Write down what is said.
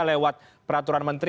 lewat peraturan menteri